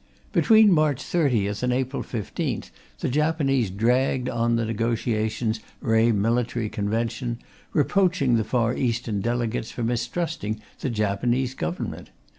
Between March 30th and April 15th the Japanese dragged on the negotiations re military convention, reproaching the Far Eastern delegates for mistrusting the Japanese Government.